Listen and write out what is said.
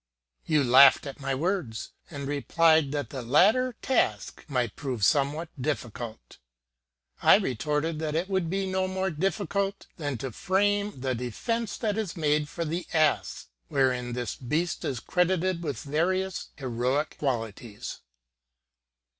You laughed at my words, and replied that the latter task might prove somewhat difficult. I retorted that it would be no more difficult than to frame the defense that is made for the ass, wherein this beast is credited with various heroic qualities.